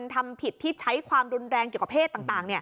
ทำผิดที่ใช้ความรุนแรงเกี่ยวกับเพศต่าง